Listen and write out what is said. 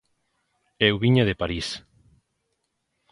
Eu viña de París.